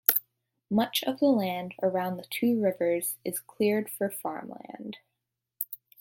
Much of the land around the two rivers is cleared for farmland.